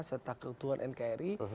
serta keutuhan nkri